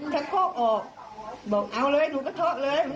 คอกออกบอกเอาเลยหนูกระเทาะเลย